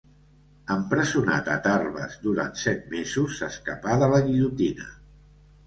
Empresonat a Tarbes durant set mesos, s'escapà de la guillotina.